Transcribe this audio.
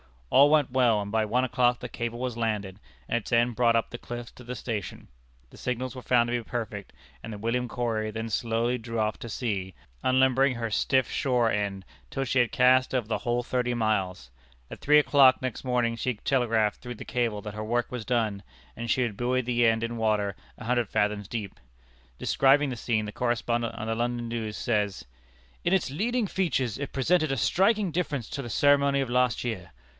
All went well, and by one o'clock the cable was landed, and its end brought up the cliff to the station. The signals were found to be perfect, and the William Corry then slowly drew off to sea, unlimbering her stiff shore end, till she had cast over the whole thirty miles. At three o'clock next morning she telegraphed through the cable that her work was done, and she had buoyed the end in water a hundred fathoms deep. Describing the scene, the correspondent of the London News says: "In its leading features it presented a striking difference to the ceremony of last year.